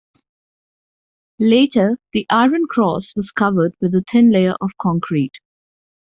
Later, the iron cross was covered with a thin layer of concrete.